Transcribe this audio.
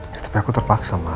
ya tapi aku terpaksa mah